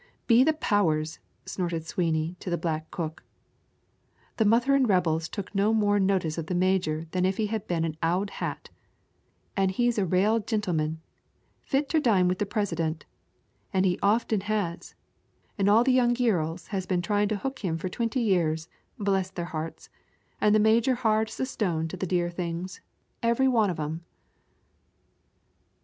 "Be the powers," snorted Sweeney to the black cook, "the murtherin' rebels took no more notice of the major than if he'd been an ould hat an' he's a rale gintleman, fit ter dine with the Prisident, as he often has, an' all the g'yurls has been tryin' to hook him fur twinty years, bless their hearts, an' the major as hard as a stone to the dear things, every wan of 'em!"